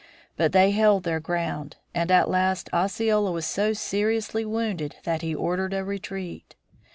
But they held their ground, and at last Osceola was so seriously wounded that he ordered a retreat.